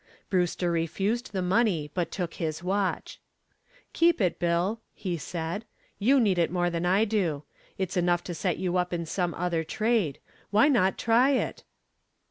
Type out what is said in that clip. Brewster refused the money, but took back his watch. "Keep it, Bill," he said, "you need it more than I do. It's enough to set you up in some other trade. Why not try it?"